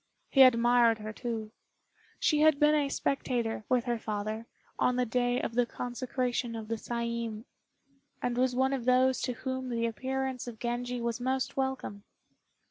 He admired her, too. She had been a spectator, with her father, on the day of the consecration of the Saiin, and was one of those to whom the appearance of Genji was most welcome.